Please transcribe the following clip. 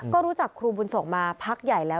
ก็รู้จักครูบุญส่งมาพักใหญ่แล้ว